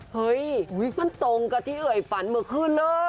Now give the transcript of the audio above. เฮ้ยมันตรงกับที่เอ่ยฝันเมื่อคืนเลย